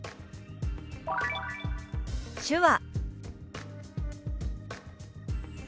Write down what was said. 「手話」。